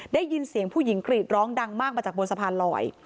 ได้ยินเสียงผู้หญิงกรีดร้องดังมากมาจากบนสะพานลอย